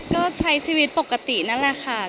ก็ใช้ชีวิตปกตินั่นแหละค่ะ